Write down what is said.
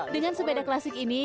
dengan sepeda klasik ini